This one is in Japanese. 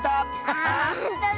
あほんとだ。